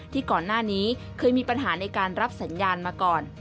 ที่ก่อนหน้านี้เคยมีปัญหาในการรับสัญญาณมาก่อน